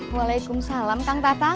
waalaikumsalam kang tatang